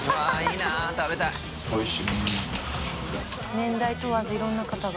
年代問わずいろんな方が。